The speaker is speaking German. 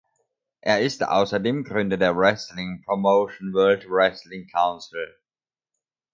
Er ist außerdem Gründer der Wrestling-Promotion World Wrestling Council.